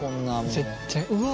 絶対うわっ。